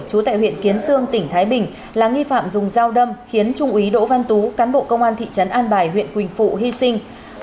chú tại huyện kiến sương tỉnh thái bình là nghi phạm dùng dao đâm khiến trung úy đỗ văn tú cán bộ công an thị trấn an bài huyện quỳnh phụ hy sinh